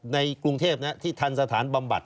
ในกรุงเทพที่ทันสถานบำบัด